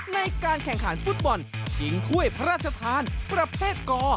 ในการแข่งขันฟุตบอลชิงถ้วยพระราชทานประเภทก